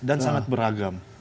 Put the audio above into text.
dan sangat beragam